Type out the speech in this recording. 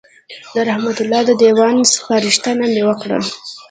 د رحمت الله د دېوان سپارښتنه مې وکړه.